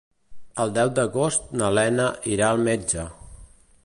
El deu d'agost na Lena irà al metge.